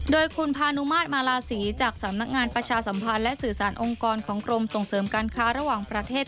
โดยคุณพานุมาตรมาลาศรีจากสำนักงานประชาสัมพันธ์และสื่อสารองค์กรของกรมส่งเสริมการค้าระหว่างประเทศ